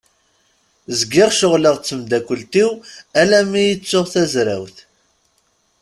Zgiɣ ceɣleɣ d temddakelt-iw alammi i ttuɣ tazrawt.